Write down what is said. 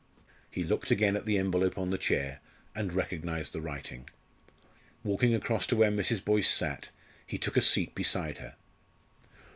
He looked again at the envelope on the chair, and recognised the writing. Walking across to where Mrs. Boyce sat, he took a seat beside her.